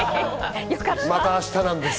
また明日なんです。